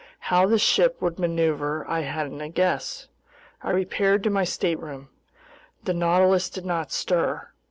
How the ship would maneuver I hadn't a guess. I repaired to my stateroom. The Nautilus did not stir.